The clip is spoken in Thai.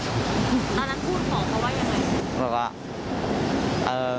ตอนนั้นพูดของเขาว่ายังไง